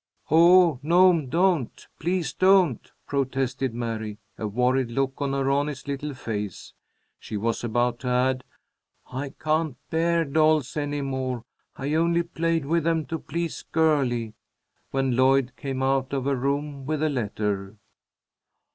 "Oh, no'm! Don't! Please don't!" protested Mary, a worried look on her honest little face. She was about to add, "I can't bear dolls any more. I only played with them to please Girlie," when Lloyd came out of her room with a letter.